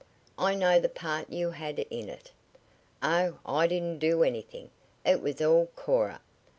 I know the part you had in it." "Oh, I didn't do anything. It was all Cora.